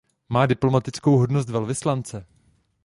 Má diplomatickou hodnost velvyslance.